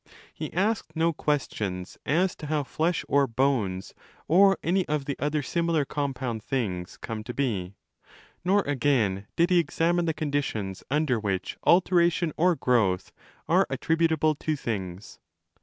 He asked no questions as to how flesh or bones, or any of the other similar compound things, come to be ; nor again did he examine the conditions under which 'alteration' or growth are attributable to things.